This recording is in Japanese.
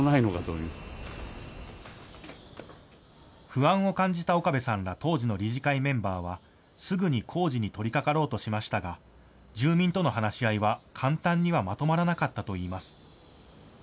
不安を感じた岡部さんら当時の理事会メンバーはすぐに工事に取りかかろうとしましたが住民との話し合いは簡単にはまとまらなかったといいます。